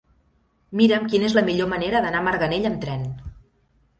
Mira'm quina és la millor manera d'anar a Marganell amb tren.